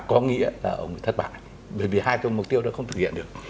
có nghĩa là ông thất bại bởi vì hai mục tiêu đó không thực hiện được